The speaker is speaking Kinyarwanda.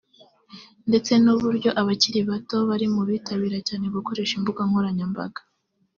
ndetse n’uburyo abakiri bato bari mu bitabira cyane gukoresha imbuga nkoranyambaga